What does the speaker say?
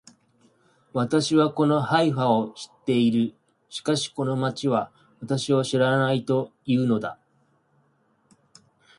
私はこのハイファを知っている。しかしこの町は私を知らないと言うのだ